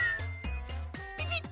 ピピッ！